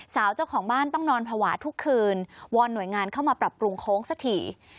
เจ้าของบ้านต้องนอนภาวะทุกคืนวอนหน่วยงานเข้ามาปรับปรุงโค้งสักที